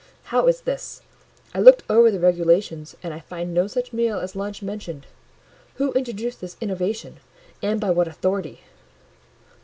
How is this? I looked over the regulations, and I find no such meal as lunch mentioned. Who introduced this innovation? and by what authority?"